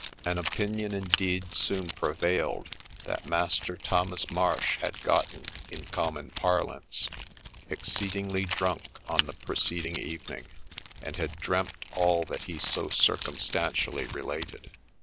An opinion, indeed, soon prevailed, that Master Thomas Marsh had gotten, in common parlance, exceedingly drunk on the pre ceding evening, and had dreamt all that he so circumstantially related.